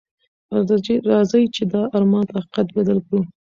راځئ چې دا ارمان په حقیقت بدل کړو.